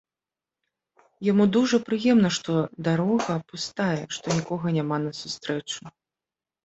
Яму дужа прыемна, што дарога пустая, што нікога няма насустрэчу.